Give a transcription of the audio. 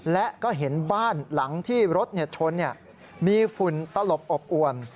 และก็เห็นบ้านหลังที่รถชนมีฝุ่นตลบอบอวน